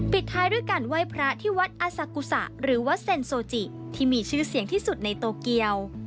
ท้ายด้วยการไหว้พระที่วัดอาสากุศะหรือวัดเซ็นโซจิที่มีชื่อเสียงที่สุดในโตเกียว